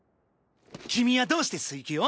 君はどうして水球を？